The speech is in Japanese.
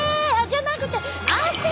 じゃなくて汗！